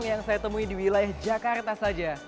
empat dari lima orang yang saya temui di wilayah jakarta saja